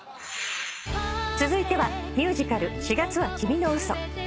続いてはミュージカル『四月は君の嘘』